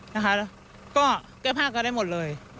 นะคะก็แก้ผ้ากันได้หมดเลย